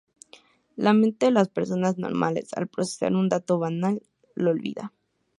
La mente de las personas normales, al procesar un dato banal, lo olvida.